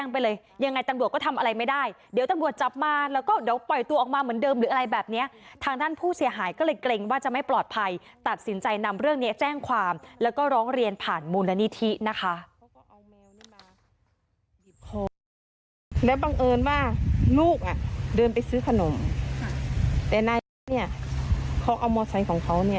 ปล่อยตัวออกมาเหมือนเดิมหรืออะไรแบบนี้ทางด้านผู้เสียหายก็เลยเกรงว่าจะไม่ปลอดภัยตัดสินใจนำเรื่องนี้แจ้งความแล้วก็ร้องเรียนผ่านมูลนิธินะคะ